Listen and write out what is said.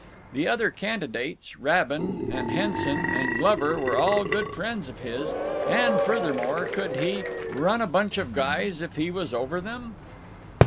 The other candidates, Rabin and Henson and Glover, were all good friends of his, and, furthermore, could he "run a bunch of guys if he was over them?"